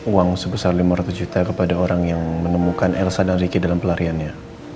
uang sebesar lima ratus juta kepada orang yang menemukan elsa dan ricky dalam pelariannya